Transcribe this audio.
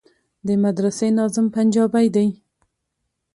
د مدرسې ناظم پنجابى دى.